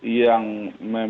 yang memang bersih